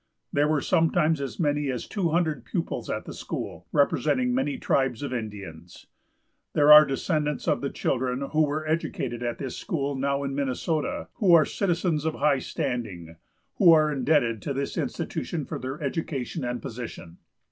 There were sometimes as many as two hundred pupils at the school, representing many tribes of Indians. There are descendants of the children who were educated at this school now in Minnesota, who are citizens of high standing, who are indebted to this institution for their education and position.